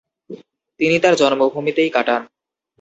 তিনি তার জন্মভূমিতেই কাটান।